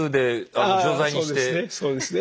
あそうですね